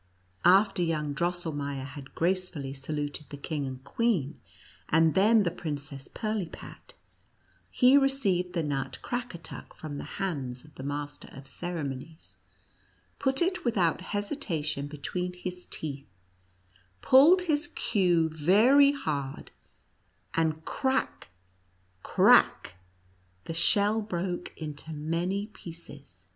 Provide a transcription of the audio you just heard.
After young Drosselmeier had gracefully saluted the king and queen, and then the Princess Pirlipat, he received the nut Crack atuck from the hands of the master of ceremo nies, put it without hesitation between his teeth, pulled his queue very hard, and crack — crack — the shell broke into many pieces.